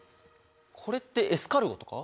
これってエスカルゴとか？